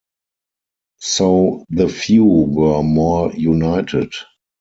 So the few were more united.